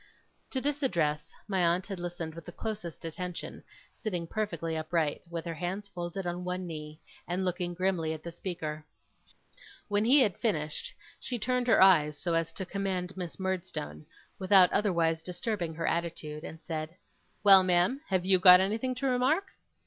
To this address, my aunt had listened with the closest attention, sitting perfectly upright, with her hands folded on one knee, and looking grimly on the speaker. When he had finished, she turned her eyes so as to command Miss Murdstone, without otherwise disturbing her attitude, and said: 'Well, ma'am, have YOU got anything to remark?